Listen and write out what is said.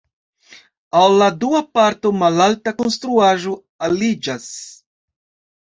Al la dua parto malalta konstruaĵo aliĝas.